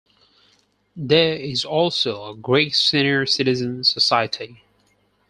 There is also a Greek Senior Citizen Society.